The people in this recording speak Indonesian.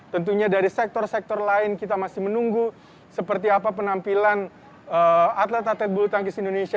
tentunya dari sektor sektor lain kita masih menunggu seperti apa penampilan atlet atlet bulu tangkis indonesia